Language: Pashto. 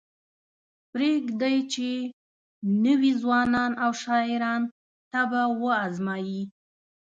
پریږدئ چې نوي ځوانان او شاعران طبع وازمایي.